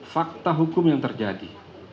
fakta hukum yang terjadi